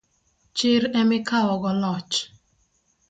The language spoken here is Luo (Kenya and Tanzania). Chir emikawogo loch